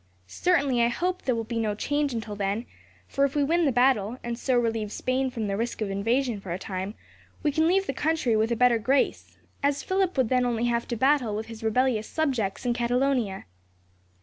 Certainly I hope there will be no change until then, for if we win the battle, and so relieve Spain from the risk of invasion for a time, we can leave the country with a better grace, as Philip would then only have to battle with his rebellious subjects in Catalonia."